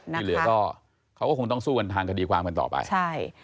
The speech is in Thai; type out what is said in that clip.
ที่เหลือก็เขาก็คงต้องสู้กันทางคดีความกันต่อไปใช่